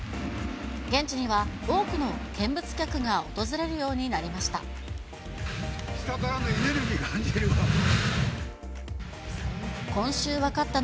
現地には、多くの見物客が訪れるようになりました。